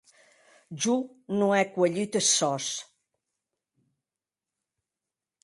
Jo non è cuelhut es sòs!